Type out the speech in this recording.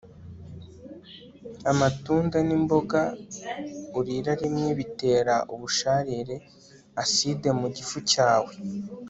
Amatunda nimboga urira rimwe bitera ubusharire aside mu gifu cyawe